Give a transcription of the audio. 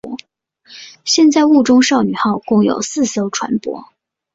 现在雾中少女号共有四艘船舶。